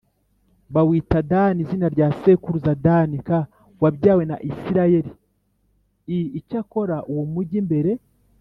bawita Dani izina rya sekuruza Dani k wabyawe na Isirayeli l Icyakora uwo mugi mbere